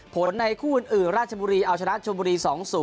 ในคู่อื่นราชบุรีเอาชนะชมบุรี๒๐